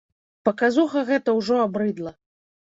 Паказуха гэта ўжо абрыдла.